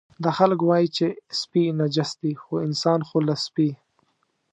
دا خلک وایي چې سپي نجس دي، خو انسان خو له سپي.